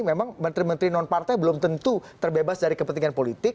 memang menteri menteri non partai belum tentu terbebas dari kepentingan politik